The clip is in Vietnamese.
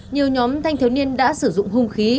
nhiều nhóm thanh thiếu niên đã sử dụng hung khí